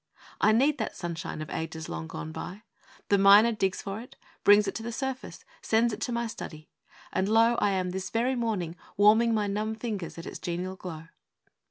I need that sunshine of ages long gone by. The miner digs for it; brings it to the surface; sends it to my study; and, lo, I am this very morning warming my numb fingers at its genial glow!